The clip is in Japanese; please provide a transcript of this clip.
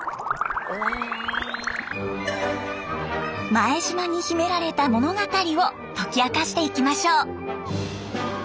前島に秘められた物語を解き明かしていきましょう。